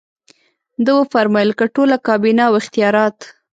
ده وفرمایل که ټوله کابینه او اختیارات.